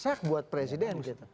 tidak mendesak buat presiden